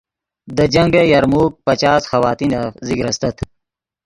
دے جنگ یرموک پچاس خواتینف ذکر استت